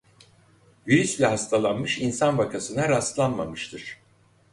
Virüsle hastalanmış insan vakasına rastlanmamıştır.